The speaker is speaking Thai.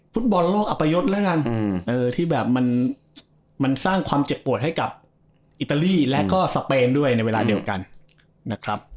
ฟุตบอลโลกอัปยศที่สร้างความเจ็บปวดให้กับอิตาลีและก็สเปนด้วยในเวลาเดียวกัน